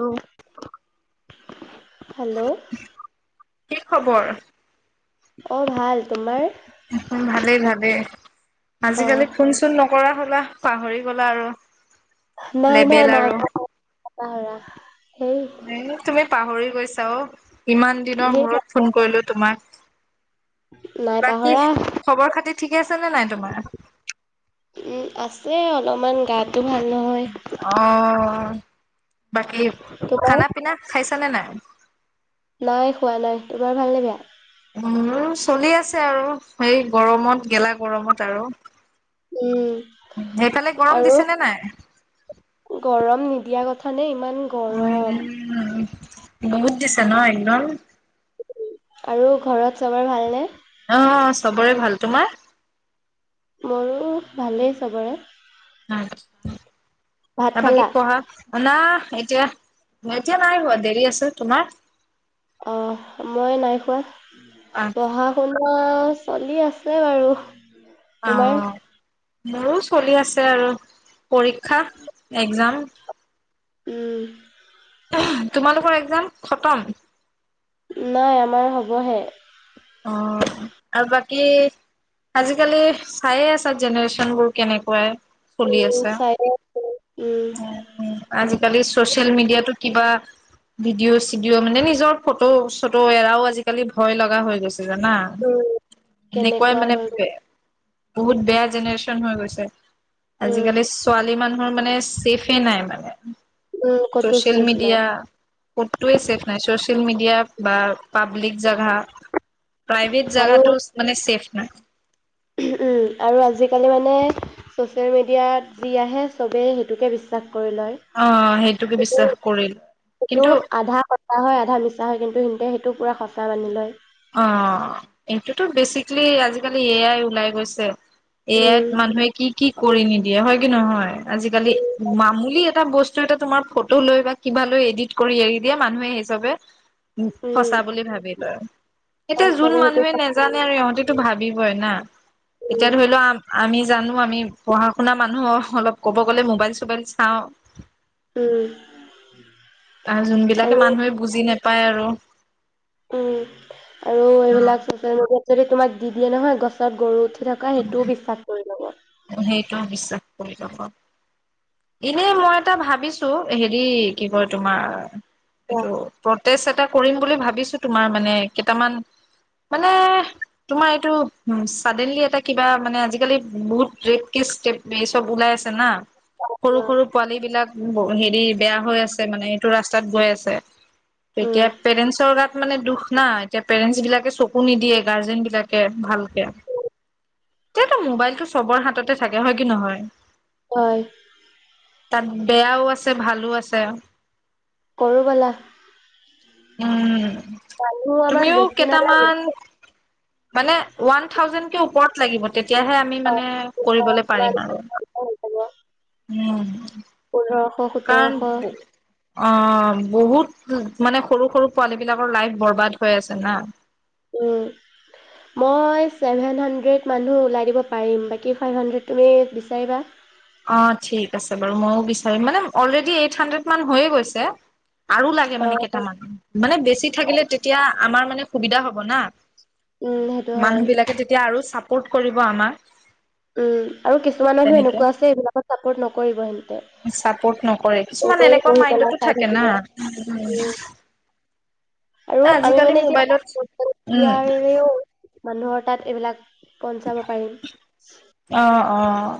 অ [unintelligible] hello কি খবৰ অ ভাল তোমাৰ ভালেই ভালেই অ আজিকালি ফোন চোন নকৰা লা পাহৰি গলা আৰু। নাই নাই লেবেল নাই আৰু সেই এ তুমি পাহৰি গৈছা। তেওঁ ইমান দিনৰ ধেই মূৰত ফোন কৰিলো তোমাক নাই বাকী পাহৰা খবৰ খাতি ঠিকে আছে নে নাই তোমাৰ? উম আছে অলপমান তাত অ বাকী তোমাৰ খানা পিনা খাইছ নে নাই নাই খোৱা নাই তোমাৰ ভালনে বেয়া। উ চলি আছে আৰু সেই গৰমত গেলা গৰমত আৰু উম সেইফালে গৰম আৰু দিছে নে নাই। গৰম নিদিয়া কথা নেই কিমান গৰম? উম বহুত দিছে ন একডম ন আৰু ঘৰত চবৰ ভালনে? আহ চবৰে ভাল তোমাৰ? মোৰো ভালেই চবৰে হুম। ভাত আৰু বাকি খালা কোৱা অ' এতিয়া এতিয়া নাই হোৱা দেৰি আছে তোমাৰ। অ' মই নাই খোৱা। অ পঢ়া শুনা অ', চলি আছে বাৰু তোমাৰ আহ মোৰো চলি আছে আৰু। পৰীক্ষা, একজাম উম। তোমালোকৰ এক্জাম, খতম? নাই আমাৰ হ'বহে। অ' আৰু বাকি কি আজিকালি চাইয়ে আছা জেনেৰেশ্যন বোৰ কেনেকুৱাই চলি উম আছে চাই আছো, উম। আজিকালি ছচিয়েল মিডিয়াতো কিবা ভিডিঅ'-চিডিঅ' মানে নিজৰ ফটো-চটো এৰাও আজিকালি ভয় লগা হৈ গৈছে। জানা, উম এনেকুৱাই কেনেকুৱা মানে হৈ গল। বহুত বেয়া জেনেৰেশ্যন হৈ গৈছে। উম আজিকালি ছোৱালী মান মোৰ মানে ছেইফে নাই মানে। উম ক'তো ছচিয়েল ছেফ নাই মিডিয়া কতোৱেই ছেইফ নাই, ছচিয়েল মিডিয়া এয়া বা পাব্লিক জাগা প্ৰাইভেট আৰু জাগাত চ মানে চেফি [inaudible] উম আৰু আজিকালি মানে ছ'চিয়েল মিডিয়াত যি আহে চবেই সেইটোকে বিশ্বাস কৰে অ সেইটোকে বিশ্বাস কৰিলো সেইটো কিন্তু আধা সঁচা হয় আধা মিছা হয় কিন্ত সিন্তে টো পোৰা সঁচা মানি লয়। অ' এইটোতো বেচিকেলি আজিকালি এ আই ওলাই গৈছে। এ আইত উম মানুহে কি কি কৰি নিদিয়ে হয় কি নহয়, আজিকালি মামুলি এটা বস্তু এটা তোমাৰ ফটো লৈ বা কিবা লৈ এডিট কৰি এৰি দিয়ে মানুহে সেইচবে উম সঁচা বুলি ভাবিব। এতিয়া আৰু যোন চবে সেইটো মানুহে নেজানে আৰু ইহতিতো ভাবিবৈ না এতিয়া ধৰি লোৱা আম আমি জানো আমি পঢ়া শুনা মানুহ অলপ ক'ব গ'লে মোবাইল চোবাইল চাওঁ। উম আহ যোনবিলাকে আৰু মানুহে বুজি নাপাই পায় আৰু উম। আৰু অ এইবিলাক ছচিয়েল মিডিয়াত যদি তোমাক দি দিয়ে নহয়, গছত গৰু থকা সেইটোও বিশ্বাস কৰি ল'ব। সেইটো বিশ্বাস কৰি ল'ব। এনে মই এটা ভাবিছো হেৰি কি কয় তোমাৰ এইটো প্ৰতেষ্ট এটা কৰিম বুলি ভাবিছো তোমাৰ মানে, কেইটামান, মানে তোমাৰ এইটো উ চডেনলি এটা কিবা মানে আজিকালি বহুত [unintelligible] এই চব ওলাই আছে না সৰু-সৰু পোৱালী বিলাক উ হেৰি বেয়া হৈ আছে মানে এইটো ৰাস্তাত গৈ আছে। উম তেতিয়া পেৰেণ্টছৰ গাত মানে দুখ নাই। এতিয়া পেৰেন্ট বিলাকে চকু নিদিয়ে গাৰ্জেন বিলাকে ভালকে। এতিয়াতো মোবাইলতটো চবৰ হাততে থাকে, হয় কি নহয়? হয়। তাত বেয়াও আছে ভালো আছে। কৰোঁ বলা। উম। মানুহ আমাক তুমিও বেছি নালাগে কেইটামান, মানে ওৱান থাউজেণ্ড কে ওপৰত লাগিব তেতিয়াহে অ কৰিবলে কিমান পাৰিম আৰু। মানুহ হ'ব? উম। হুতৰ কাৰণ শ। অ বহুত মানে সৰু-সৰু পোৱালী বিলাকৰ লাইফ বৰবাদ হৈ আছে না। উম, মই ছেভেন হাণ্ড্ৰেড মানুহ ওলাই দিব পাৰিম, বাকী ফাইভ হাণ্ড্ৰেড তুমি বিচাৰিবা। অ ঠিক আছে বাৰু ময়ো বিচাৰিম, মানে অলৰেডি এইট হাণ্ড্ৰেড মান হৈয়ে গৈছে। আৰু লাগে অ মানে কেইটামান, মানে বেছি থাকিলে তেতিয়া আমাৰ মানে সুবিধা হ'ব না। উম সেইটো হয় মানুহ বিলাকে তেতিয়া আৰু চাপ পৰ্ত কৰিব আমাক। উম আৰু কিছুমান মানুহ তেনেকে এনেকুৱা আছে এইবিলাকত চাপৰ্ট নকৰিব চাপৰ্ট নকৰে কিছুমান এনেই এনেকুৱা বহি পেলাই মাইণ্ডতো চাই থাকে থাকিব না? উম আৰু আমি মানে আজিকালি এতিয়া মোবাইলত, ছচিয়েল উম মিডিয়াৰেও মানুহৰ তাত এইবিলাক পঞ্চাব পাৰিম। অঁ অঁ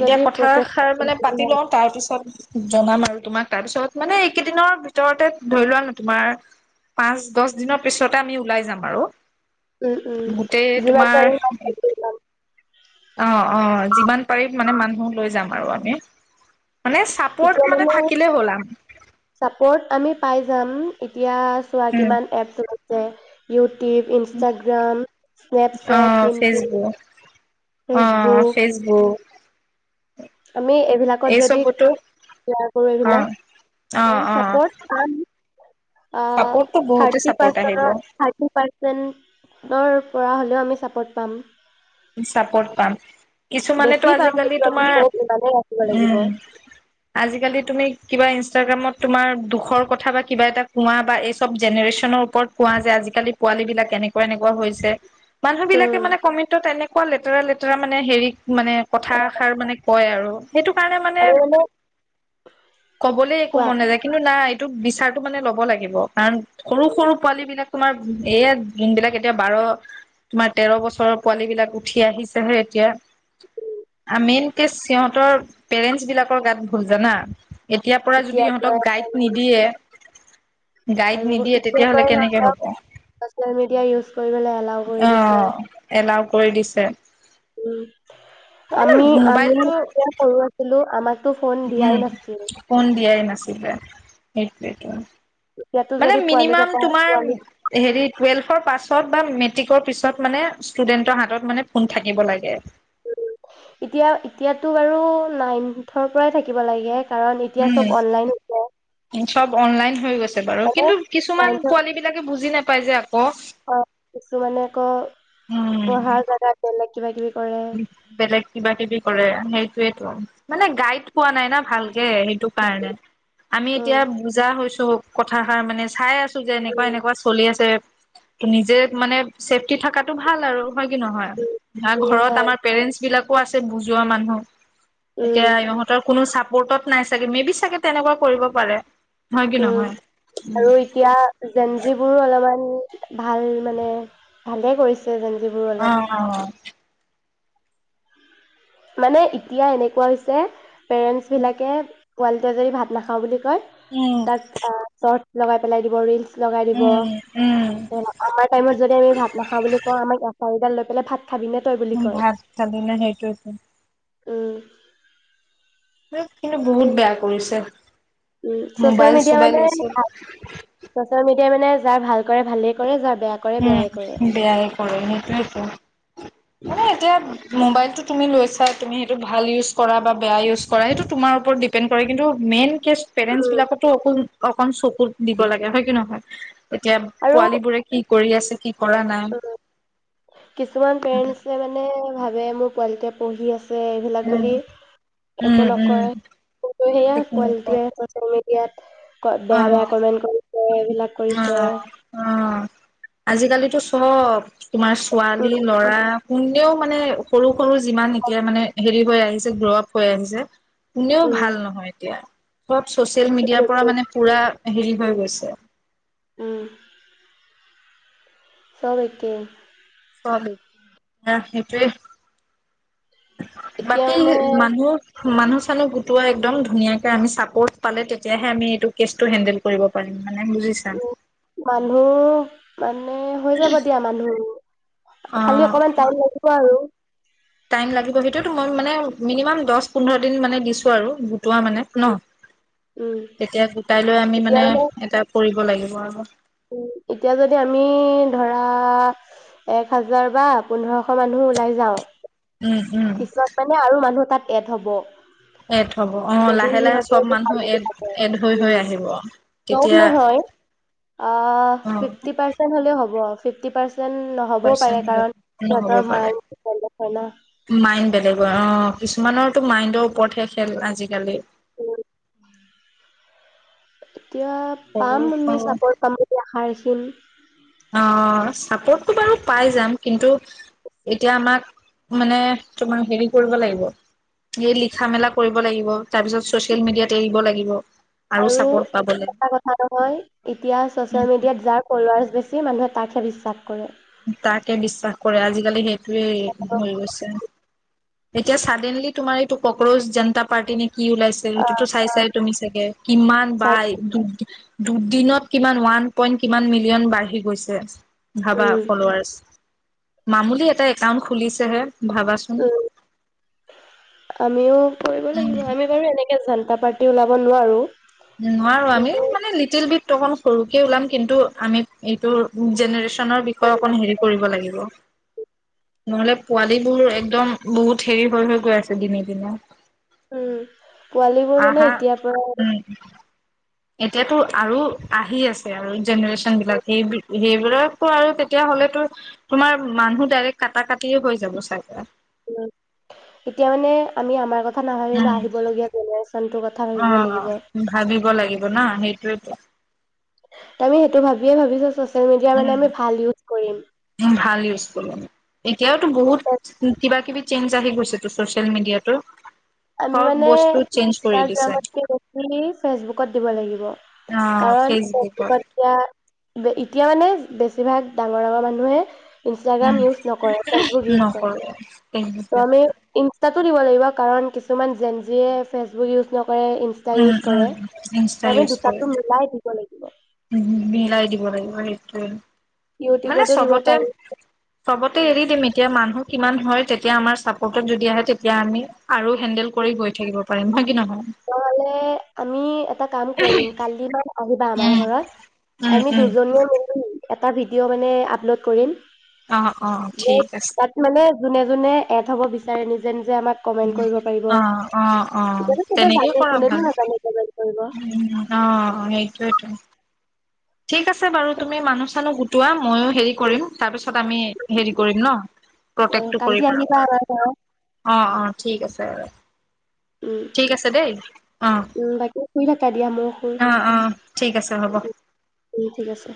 এতিয়া কথাষাৰ মানে প্ৰটেষ্ট পাতি লওঁ, তাৰ পিছত জনাম আৰু তোমাক তাৰ পিছত মানে এইকেইদিনৰ ভিতৰতে ধৰি লোৱা ন তোমাৰ, পাঁচ দহ দিনৰ পিছতে আমি ওলাই যাম আৰু। উম উম গোটেই যিমান তোমাৰ পাৰিম অ অ যিমান পাৰি মানে মানুহ লৈ যাম আৰু আমি মানে চাপৰ্ট এতিয়া মানে থাকিলে হ'ল আম চাপৰ্ট আমি পাই যাম ই এতিয়া চোৱা উম কিমান এপছ যে ইউট ইউটিউব ইনসষ্টাগ্ৰাম অ স্নেপচেট পিনপিণ্ট ফেচবুক অ ফেচবুক ফেচবুক আমি এইবিলাকত এই যদি চবতো ক্লয়াৰ কৰো অ অ এইবিলাকৰ্ অ চাপৰ্ট পাম আঁ চাপৰ্টটো বহুতে থাৰ্টি চাপৰ্ট আহিব পাৰচেনৰ আ থাৰ্টি পাৰ্চেনৰ কৰা হ'লেও আমি ছাপৰ্ট পাম ছাপৰ্ট পাম কিছুমানেতো বেছি পাম আজিকালি কিন্তু আমি তোমাৰ বহুত ইমানেই ৰাখিব লাগিব উম আজিকালি তুমি কিবা ইাগ্ৰামত তোমাৰ দুখৰ কথা বা কিবা এটা কোৱা বা এইচব জেনেৰেচনৰ ওপৰত কোৱা যে আজা কালি পোৱালি বিলাক এনেকুৱা এনেকুৱা হৈছে মানুহ বিলাকে উম মানে কমে তেনেকুৱা লেতেৰা লেতেৰা মানে হেৰি মানে অ' কথাষাৰ মানে কয় আৰু সেইটো কাৰণে মানে কবলে একো কোৱা মন নাযায় কিন্তু নাই তোক বিচাৰটো মানে ল'ব লাগিব কাৰণ সৰু সৰু পোৱালী বিলাক তোমাৰ এয়া যোনবিলাক এতিয়া বাৰ তোমাৰ তেৰ বছৰ পোৱালী বিলাক উঠি আহিছেহে এতিয়া মেইন কে সিহঁতৰ পেৰেন্টছ বিলাকৰ গাত ভুল জানা এতিয়াৰ পৰা যদি ইহঁতক গাইড নিদিয়ে গাইড আৰু নিদিয়ে এতিয়াৰ তেতিয়াাহলে পৰাই কেনেকে সিহঁতক হ'ব ছ'চিয়েল মিডিয়া ইউজ কৰিবলৈ এলাও কৰি অ দিছে এলাওৱ কৰি দিছে উম মানে আমি আমি মোবাইলটো তেতিয়া সৰু আছিলো আমাক উম ফোন দিয়াই নাছিল সেইটোৱে টো এতিয়াতো মানে যদি পোৱালি মিনিমাম কেইটা তোমাৰ পোৱালি হেৰি টুৱেলফৰ পাছত বা মেট্ৰিক পিছত মানে ষ্টুডেন্ত্ৰৰ হাতত মানে ফোন থাকিব লাগে। এতিয়া এতিয়াতো বাৰু নাইনথৰ পৰাই থাকিব লাগে। কাৰণ এতিয়া উম চব অনলাইন হৈছে। চব অনলাইন হৈ গৈছে। বাৰু মানে কিন্তু কিছুমান নাইনথৰ পোৱালি বিলাকে বুজি নাপায়। পাইজা [inaudible] অ' কিছুমানে আকৌ উম পঢ়াৰ জাগা বেলেগ। কিবা কিবি। কৰে। বেলেগ কিবা কিবি কৰে সেই টোৱেটো মানে গাইড পোৱা নাই না ভাল কে সেইটো কাৰণে আমি উম, এতিয়া বুজা হৈছো। কথাষাৰ মানে চাই আছো। যে উম এনেকুৱা এনেকুৱা চলি আছে। নিজে মানে চেফটি থকাটো ভাল আৰু হয় কি নহয় ন উম, ঘৰত হয় পেৰেণ্টছ বিলাকো আছে বুজোৱা মানুহ উম, এতিয়া ইহঁতৰ কোনো চাপ পৰ্টত নাই চাগে মে বি চাগে তেনেকোৱা কৰিব পাৰে। হয় কি উম নহয় আৰু এতিয়া জেঞ্জিবোৰো অলপমান ভাল মানে ভালে কৰিছে। জেনজিবোৰো অলপ। অ' অ' মানে এতিয়া এনেকোৱা হৈছে। পেৰেণ্টছবিলাকে পোৱালিটোৱে যদি ভাত নাখাওঁ বুলি। কয় উম তাত আ ফোন লগাই পেলাই দিব ৰিলচ। লগাই দিব উম আমাৰ টাইমত যদি আমি ভাত নাখাওঁ বুলি কও আমাক এচাৰিডাল লৈ পেলাই ভাত। খাবিনে তই বুলি ভাত খালি ন সেইটোৱেটো। উ হে কিন্তু বহুত বেয়া কৰিছে। উ চচিয়েল মোবাইল মিডিয়া চোবাইল মানে লৈছিল আ চচিয়েল মিডিয়া এতিয়া মানে যাৰ ভাল কৰে ভালেই কৰে যাৰ বেয়া কৰে বেয়াই কৰে উম বেয়াহে কৰে সেইটোয়েতো মানে এতিয়া মোবাইলটো তুমি লৈছা তুমি সেইটো ভাল ইউজ কৰা বা বেয়া ইউজ কৰা সেইটো তোমাৰ ওপৰত ডিপেণ্ড কৰে কিন্তু মেইন কেছ পেৰেণ্টছ বিলাকেতো অকণ - অকণ চকু দিব লাগে হয় কি নহয়? এতিয়া পোৱালিবোৰে কৰি আছে উম কিছুমান উম পেৰেন্টছে মানে ভাবে ৱে মোৰ পোৱালিটোৱে পঢ়ি আছে যে এইবিলাক উম বুলি উম একো উম নকয় সেয়া ঠিক তেনেকুৱা। পোৱালিটোৱে ছচিয়েল মিডিয়াত ক বেয়া-বেয়া কমেণ্ট কৰিছে এইবিলাক কৰিছে অ-অ-অ হয় [unintelligible] আজিকালিতো চব তোমাৰ ছোৱালী উম ল'ৰা কুনেও মানে সৰু কৰো যিমান এতিয়া মানে হেৰি হৈ আহিছে গ্ৰপ হৈ আহিছে ৷ কোনেও উম ভাল নহয় এতিয়া ৷ সব চচিয়েল চব মিডিয়াৰ পৰা একেই মানে পুৰা হেৰি হৈ গৈছে ৷ উম চব একে সেইটোৱে এতিয়া বাকী মানে মানুহ মানুহ চানুহ গোটোৱা একদম ধুনীয়াকে আমি চাপৰ্ট পালে তেতিয়াহে আমি এইটো কেছটো চেণ্ডেল কৰিব পাৰিম ৷ উ মানুহ মানে হৈ যাব দিয়া মানুহ খালি অ', অকমান টাইম লাগিব আৰু৷ টাইম লাগিব সেইটোয়তো মই মানে মিনিমাম দহ পোন্ধৰ দিন মানে দিছো আৰু গোটোৱা মানে ন উম তেতিয়া গোটাই লৈ আমি মানে এটা পৰি লাগিব আৰু৷ এতিয়া যদি আমি ধৰা এক হাজাৰ বা পোন্ধৰশ মানুহ ওলাই যাওঁ উম উম পিছত মানে আৰু মানুহ তাত এড হ'ব ৷ এড হ'ব অ লাহে লাহে চব মানুহ এড এড হৈ হৈ আহিব ব তেতিয়া নহয় আহ অ ফি পাৰ্চেন্ট হলে হ'ব [unintelligible] ফিভটি পাৰচ যেন নহ'বও পাৰে পাৰ্চেণ্ট কাৰণ নহ'ব সিহঁতৰ পাৰে মায় তে হয় ন? মাইণ্ড বেলেগ হয়। অ' কিছুমানৰতো মাইণ্ডৰ ওপৰতহে খেল আজিকালি। উম। এতিয়া সৰু পাম আমি, সৰু চাপৰ্ট পাম এতিয়া [unintelligible] অ' ছাপৰ্টটো বাৰু পাই যাম। কিন্তু এতিয়া আমাক মানে তোমাৰ হেৰি কৰিব লাগিব, এই লিখা-মেলা কৰিব লাগিব। তাৰপিছত ছ'চিয়েল মিডিয়াত এৰিব লাগিব। আৰু চাপৰ্ট পাবলৈ এটা কথা নহয়, এতিয়া ছ'চিয়েল মিডিয়াত যাৰ ফোলোৱাৰছ বেছি মানুহ তাকহে বিশ্বাস কৰে তাকে বিশ্বাস কৰে। আজিকালি সেইটোৱে হৈ গৈছে। এতিয়া, ছাডেনলি তোমাৰ এইটো কোক্ৰোজ জনতা পাৰ্টি নে কি ওলাইছে, সেইটোতো চাই চায় তুমি চাগে। কিমান যাৰ বাই দুদিনত কিমান? ওৱান পইণ্ট কিমান মিলিয়ন বাঢ়ি গৈছে। ভাবা উম, ফোলোৱাৰছ। মামুলি এটা একাউন্ট খুলিছেহে। ভাবাচোন। উম, আমিও কৰিব উম, লাগিব। আমি বাৰু এনেকে জনতা পা তো ওলাব নোৱাৰোঁ। নোৱাৰোঁ আমি, মানে লিটিল বিট এইটো অকনমান সৰুকে ওলাম। কিন্তু, আমি এইটো জেনেৰেশ নৰ বিষয়ে অকণ হেৰি কৰিব লাগিব। নহ'লে পোৱালীবোৰ একদম বহুত হেৰি হৈ - হৈ গৈ আছে, দিনে - দিনে। উম। পোৱালীবোৰ মানে আহা এতিয়াৰ পৰাই [inaudible] উম এতিয়াতো আৰু আহি আছে, আৰু জেনেৰেশ্চন বিলাক। সেই- সেইবিলাকো আৰু তেতিয়া হ'লেতো, তোমাৰ মানুহ ডাইৰেক্ট কাটা-কাটিয়ে হৈ যাব চাই পেলাই। এতিয়া মানে, আমি আমাৰ ক কথা নাভাবিলেও, উম আহিবলগীয়া জনেৰেশ্চনটোৰ কথা অ ভাবিব লাগিব। ভাবিব লাগিব না সেইটোৱেতো তমি সেইটো ভাবিয়ে ভাবিছা ছা তো এতিয়া মানে উম আমি ভাল ইউজ কৰিম। ভাল ইউজ কৰিম এতিয়াওতো বহুত কিবা-কিবি চেঞ্জ আহি গৈছেতো, ছ'চিয়েল মিডিয়াতো। আমি চব মানে বস্তু চেঞ্জ কৰি দিছে ইনষ্টগ্ৰামতকে [unintelligible] নি ফেচবুক কত দিব লাগিব। কাৰণ ফেচবুকত দিয়া এতিয়া মানে বেছিভাগ ডাঙৰ - ডাঙৰ মানুহে উম ইনষ্টাগ্ৰাম ইয়ুছ নকৰে। ফেচবুক ইয়ুজ কৰে। নকৰো উম তো আমি ইনষ্টাত দিব লাগিব কাৰণ কিছু কিছুমান জেনজিয়ে ফেচবুক ইউজ নকৰে। ইনচটা ইয়ুজ কৰে উম আমি দুটাটো মিলাই দিব লাগিব। [unintelligible] উম মিলাই দিব লাগিব সেইটোৱে। মানে ইউটিউবতো দিব চবতে পাৰি। চবতে এৰি দিম এতিয়া মানুহক কিমান হয় তেতিয়া আমাৰ চাপৰ্টত যদি আহে তেতিয়া আমি। আৰু হেন্দেল কৰি গৈ থাকিব। পাৰিম হয় কি নহয়। নহ'লে আমি এটা কাম কৰিম কালি বা আহিবা আমাৰ উম ঘৰত উম আমি উম দুজনীয়ে মিলি এটা ভিডিঅ' মানে আপলোড কৰিম। অ অ বহুত ঠিক আছে তাত মানে। যোনে যোনে এট হ'ব বিচাৰে নিজে নিজে আমাক কমেন্ট কৰিব পাৰিব অ' অ' অ' এতিয়াতো চবে তেনেকৈ জানে কৰা কোনেনো ভাল নাজানে কমেন্ট কৰিব উম অঁ সেইটোৱে তো উমম ঠিক আছে বাৰু তুমি মানুহ চানুৰ গো চোৱা মইও হেৰি কৰিম তাৰ পিছত। হেৰি কৰিম ন অ, প্ৰত্যেক তো কালি কৰিম আহিবা আমাৰ গাঁৱত ন অ' অ' ঠিক আছে। উম, ঠিক আছে দেই অ' উম, বাকী শুই থাকা দিয়া ময়ো শুও অ' অ' ঠিক আছে হ'ব। ঠিক আছে